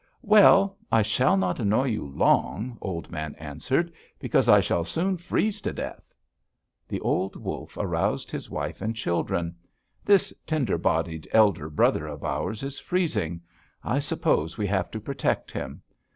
"'Well, I shall not annoy you long,' Old Man answered, 'because I shall soon freeze to death!' "The old wolf aroused his wife and children: 'This tender bodied elder brother of ours is freezing. I suppose we have to protect him.